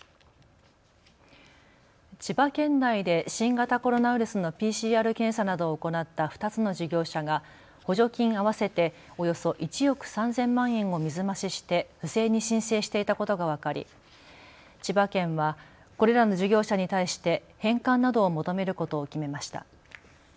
千葉県内で新型コロナウイルスのＰＣＲ検査などを行った２つの事業者が補助金合わせておよそ１億３０００万円を水増しして不正に申請していたことが分かり千葉県はこれらの事業者に対して返還などを求めることを決めました。